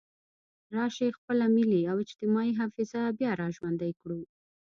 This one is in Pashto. راشئ خپله ملي او اجتماعي حافظه بیا را ژوندۍ کړو.